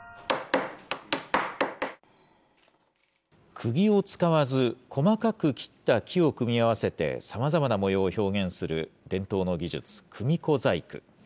くぎを使わず、細かく切った木を組み合わせてさまざまな模様を表現する伝統の技術、組子細工。